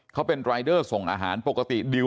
เขาเป็นรายเดอร์ส่งอาหารปกติดิว